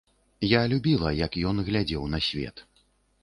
Я любіла, як ён глядзеў на свет.